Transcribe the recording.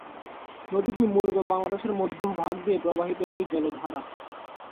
নদীটি মূলত বাংলাদেশের মধ্যভাগে দিয়ে প্রবাহিত একটি জলধারা।